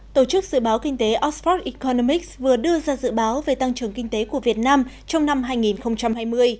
tổ chức dự báo kinh tế oxford economics vừa đưa ra dự báo về tăng trưởng kinh tế của việt nam trong năm hai nghìn hai mươi